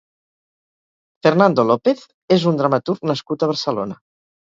Fernando López és un dramaturg nascut a Barcelona.